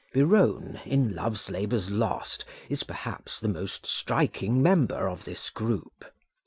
Biron, in Love's Labours Lost, is perhaps the most striking member of this group.